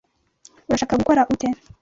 Urashaka gukora ute?